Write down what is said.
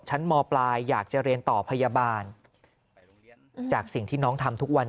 มปลายอยากจะเรียนต่อพยาบาลจากสิ่งที่น้องทำทุกวัน